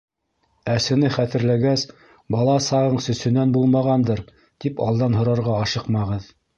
Әсене хәтерләгәс, бала сағың сөсөнән булмағандыр, тип алдан һорарға ашыҡмағыҙ.